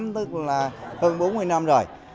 tức là hơn bốn mươi năm rồi